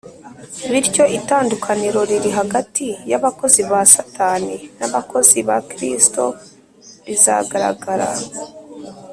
bityo itandukaniro riri hagati y’abakozi ba satani n’abakozi ba kristo rizagaragara